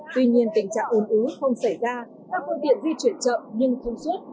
tuy nhiên tình trạng ồn ứ không xảy ra các phương tiện di chuyển chậm nhưng thông suốt